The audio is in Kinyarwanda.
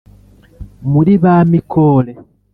Muri ba Mikore